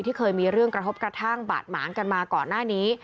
เคยมีเรื่องกระทบกระทั่งบาดหมางกันมาก่อนหน้านี้